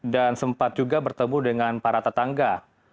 dan sempat juga bertemu dengan para tetangga